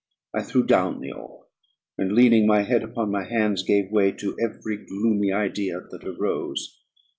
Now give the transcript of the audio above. I threw down the oar; and leaning my head upon my hands, gave way to every gloomy idea that arose.